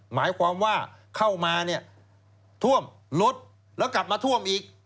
หมายความว่าเข้ามาเนี่ยท่วมรถแล้วกลับมาท่วมอีก